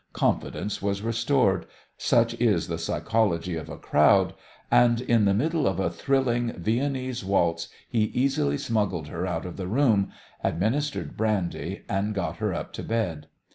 Confidence was restored such is the psychology of a crowd and in the middle of a thrilling Viennese waltz he easily smuggled her out of the room, administered brandy, and got her up to bed.